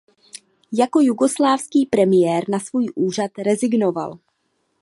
Jako jugoslávský premiér na svůj úřad rezignoval.